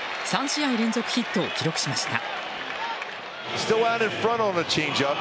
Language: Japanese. ３試合連続ヒットを記録しました。